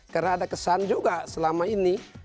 karena ada kesan juga selama ini